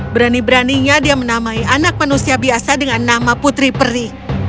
berani beraninya dia menamai anak manusia biasa dengan nama putri peri